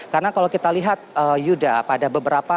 karena kalau kita lihat yuda pada beberapa